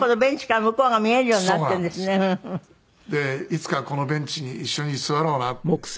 いつかこのベンチに一緒に座ろうなって。